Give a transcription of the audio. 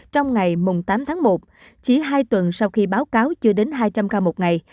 trong ngày tám tháng một chỉ hai tuần sau khi báo cáo chưa đến hai trăm linh ca một ngày